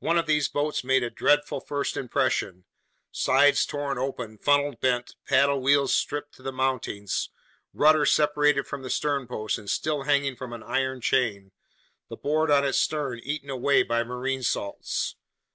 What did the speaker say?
One of these boats made a dreadful first impression: sides torn open, funnel bent, paddle wheels stripped to the mountings, rudder separated from the sternpost and still hanging from an iron chain, the board on its stern eaten away by marine salts!